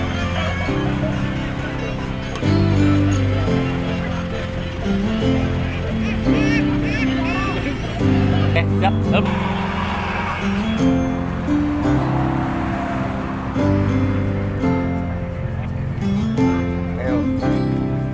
haknya teribur kita bawanya anak